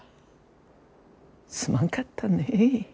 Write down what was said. すまんかったね。